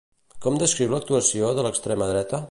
Com descriu l'actuació de l'extrema dreta?